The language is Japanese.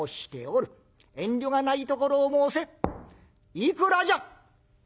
いくらじゃ？」。